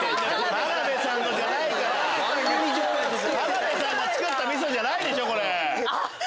田辺さんが造った味噌じゃないでしょ！